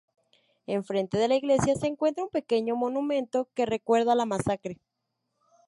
Enfrente de la iglesia se encuentra un pequeño monumento que recuerda la masacre.